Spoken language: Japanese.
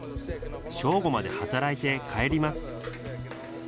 正午まで働いて帰ります。